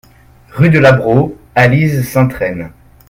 Rue de la Braux, Alise-Sainte-Reine